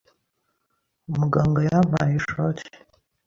Muganga yampaye ishoti.